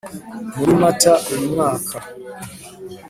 muri Mata uyu mwaka